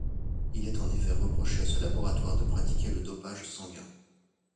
Il est en effet reproché à ce laboratoire de pratiquer le dopage sanguin.